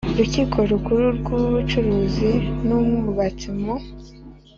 Rukiko Rukuru rw Ubucuruzi n Umwanditsi mu